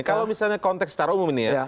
kalau misalnya konteks secara umum ini ya